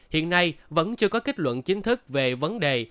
hiện nay vẫn chưa có kết luận chính thức về vấn đề